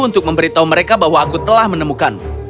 untuk memberitahu mereka bahwa aku telah menemukan